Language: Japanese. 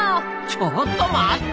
ちょっと待った！